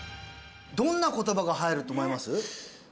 どんな言葉が入ると思います？